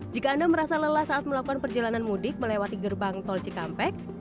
jika anda merasa lelah saat melakukan perjalanan mudik melewati gerbang tol cikampek